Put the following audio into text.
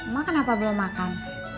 mak kenapa belum makan